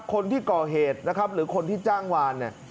คนที่ก่อเหตุนะครับหรือคนที่จ้างวานเนี่ย